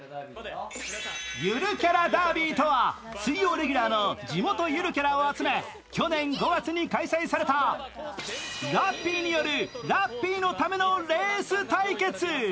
ゆるキャラダービーとは水曜レギュラーのゆるキャラを集めラッピーによるラッピーのためのレース対決！